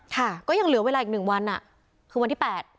ค่ะก็ยังเหลือเวลาอีก๑วันคือวันที่๘